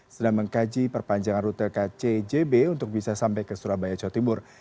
sedang mengkaji perpanjangan rute kcjb untuk bisa sampai ke surabaya jawa timur